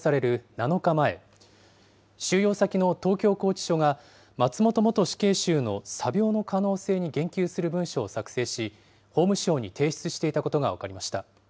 ７日前、収容先の東京拘置所が松本元死刑囚の詐病の可能性に言及する文書を作成し、法務省に提出していたことが分かりました。